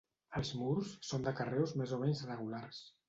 Els murs són de carreus més o menys regulars.